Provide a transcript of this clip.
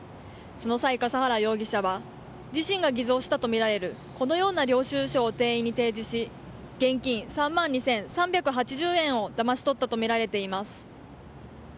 その際、笠原容疑者は自身が偽造したとみられるこのような領収書を店員に提示し現金３万２３８０円をだまし取ったとみられます。